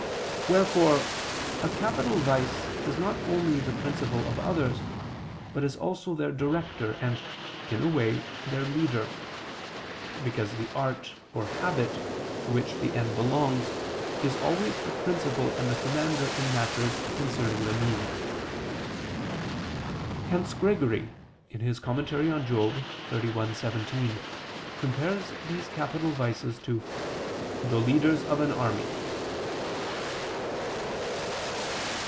Wherefore a capital vice is not only the principle of others, but is also their director and, in a way, their leader: because the art or habit, to which the end belongs, is always the principle and the commander in matters concerning the means. Hence Gregory (Moral. xxxi, 17) compares these capital vices to the "leaders of an army."